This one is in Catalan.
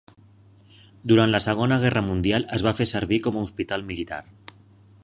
Durant la Segona Guerra Mundial es va fer servir com a hospital militar.